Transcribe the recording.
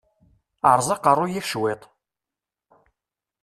Ṛṛeẓ aqeṛṛu-yik cwiṭ!